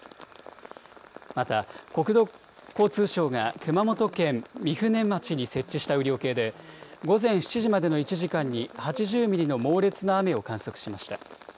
また国道交通省が熊本県御船町に設置した雨量計で午前７時までの１時間に８０ミリの猛烈な雨を観測しました。